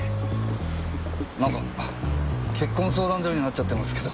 なんか結婚相談所になっちゃってますけど。